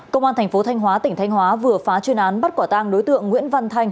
công an thành phố thanh hóa tỉnh thanh hóa vừa phá chuyên án bắt quả tang đối tượng nguyễn văn thanh